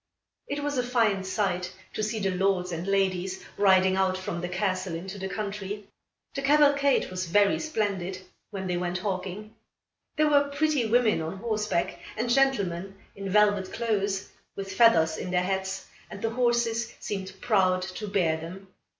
It was a fine sight to see the lords and ladies riding out from the castle into the country. The cavalcade was very splendid, when they went hawking. There were pretty women on horseback, and gentlemen in velvet clothes, with feathers in their hats, and the horses seemed proud to bear them.